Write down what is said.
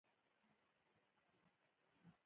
مسواک يې له جيبه راوکيښ.